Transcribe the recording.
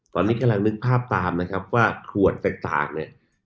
ตอนนี้กำลังนึกภาพตามนะครับว่าขวดต่างเนี่ย